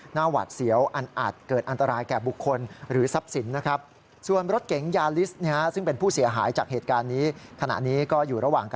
หวัดเสียวอันอาจเกิดอันตรายแก่บุคคลหรือทรัพย์สินนะครับ